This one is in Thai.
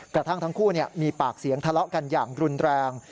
กระทั่งทั้งคู่มีปากเสียงทะเลาะกันอย่างรุนแรง